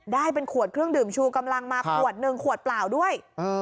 ได้เป็นขวดเครื่องดื่มชูกำลังมาขวดหนึ่งขวดเปล่าด้วย